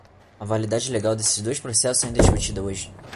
A validade legal desses dois processos ainda é discutida hoje.